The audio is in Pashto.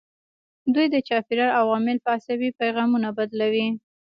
دوی د چاپیریال عوامل په عصبي پیغامونو بدلوي.